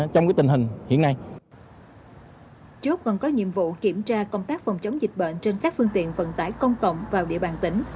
chốt còn có nhiệm vụ kiểm tra công tác phòng chống dịch bệnh trên các phương tiện vận tải công cộng vào địa bàn tỉnh